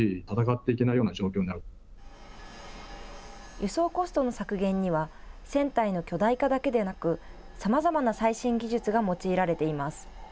輸送コストの削減には船体の巨大化だけでなくさまざまな最新技術が用いられています。